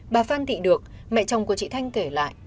bà phan thị được mẹ chồng của chị thanh kể lại